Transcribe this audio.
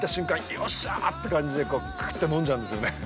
よっしゃーって感じでクーっと飲んじゃうんですよね。